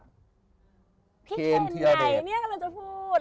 คี่เชนไหนกันเราจะพูด